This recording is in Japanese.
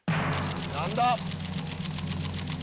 何だ？